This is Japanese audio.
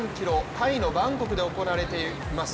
タイのバンコクで行われています